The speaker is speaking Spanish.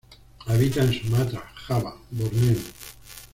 Habita en Sumatra, Java, Borneo.